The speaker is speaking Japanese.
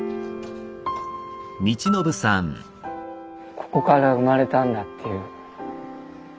ここから生まれたんだっていう。